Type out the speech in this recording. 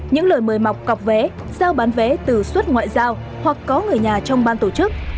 những lời mời mọc cọc vé giao bán vé từ suất ngoại giao hoặc có người nhà trong ban tổ chức